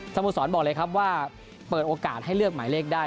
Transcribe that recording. สมุทรสอนบอกเลยว่าเปิดโอกาสให้เลือกหมายเลขได้